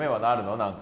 何か。